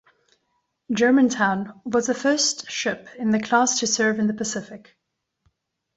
"Germantown" was the first ship in the class to serve in the Pacific.